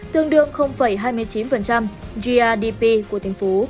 tương đương hai mươi chín grdp của tp